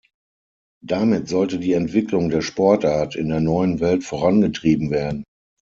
Damit sollte die Entwicklung der Sportart in der neuen Welt vorangetrieben werden.